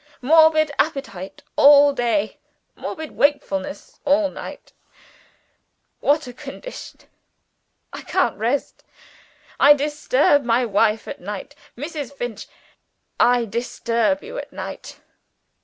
Morbid appetite all day; morbid wakefulness all night what a condition! I can't rest. I disturb my wife at night. Mrs. Finch! I disturb you at night.